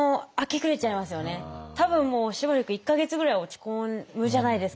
多分もうしばらく１か月ぐらいは落ち込むじゃないですか。